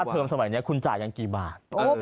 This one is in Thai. แล้วค่าเทอมสมัยนี้คุณจ่ายกันกี่บาท